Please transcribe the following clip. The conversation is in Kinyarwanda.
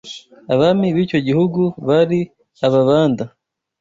Abami b’icyo gihugu bari Ababanda